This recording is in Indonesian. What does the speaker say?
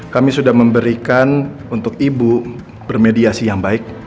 kami sudah memberikan untuk ibu bermediasi yang baik